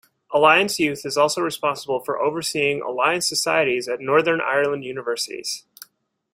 Alliance Youth is also responsible for overseeing Alliance Societies at Northern Ireland universities.